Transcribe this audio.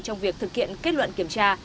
trong việc thực hiện kết luận kiểm tra